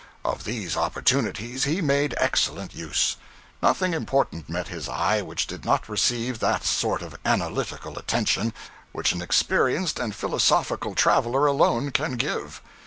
Of these opportunities he made excellent use; nothing important met his eye which did not receive that sort of analytical attention which an experienced and philosophical traveler alone can give.